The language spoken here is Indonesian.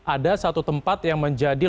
ada satu tempat yang menjadi